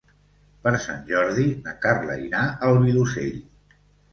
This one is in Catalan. Per Sant Jordi na Carla irà al Vilosell.